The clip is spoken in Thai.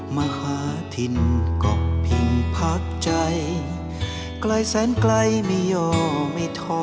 มหาทิ้นกรอกพิงพักใจใกล้แสนใกล้ไม่ยอมไม่ท้อ